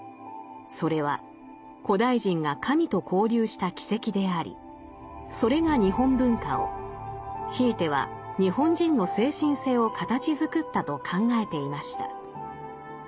それは古代人が神と交流した軌跡でありそれが日本文化をひいては日本人の精神性を形づくったと考えていました。